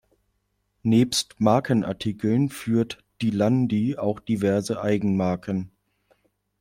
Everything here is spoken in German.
Nebst Markenartikeln führt die Landi auch diverse Eigenmarken.